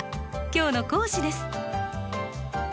今日の講師です。